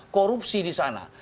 korupsi di sana